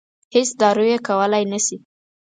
هېڅ دارو یې کولای نه شي.